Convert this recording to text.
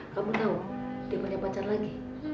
kamu tahu dia punya pacar lagi